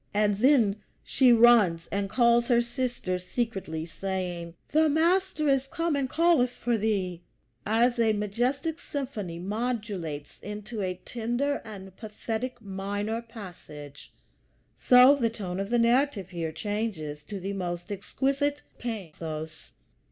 And then she runs and calls her sister secretly, saying, "The Master is come and calleth for thee." As a majestic symphony modulates into a tender and pathetic minor passage, so the tone of the narrative here changes to the most exquisite pathos.